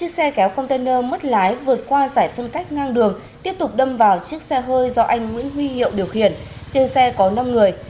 xin chào và hẹn gặp lại